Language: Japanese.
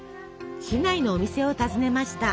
市内のお店を訪ねました。